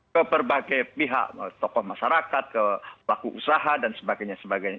ke berbagai pihak tokoh masyarakat ke pelaku usaha dan sebagainya sebagainya